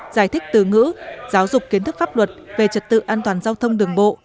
giải thích từ ngữ giáo dục kiến thức pháp luật về trật tự an toàn giao thông đường bộ